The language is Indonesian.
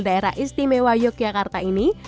daerah istimewa yogyakarta ini